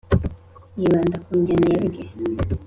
yibanda ku njyana ya rege